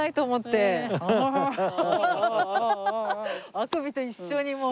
あくびと一緒にもう。